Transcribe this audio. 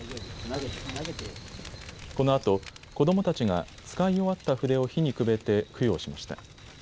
このあと、子どもたちが使い終わった筆を火にくべて供養しました。